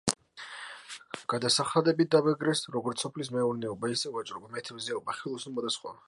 გადასახადებით დაბეგრეს როგორც სოფლის მეურნეობა, ისე ვაჭრობა, მეთევზეობა, ხელოსნობა და სხვა.